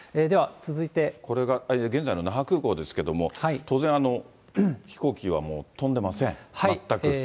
これが現在の那覇空港ですけれども、当然、飛行機はもう、飛んでません、全く。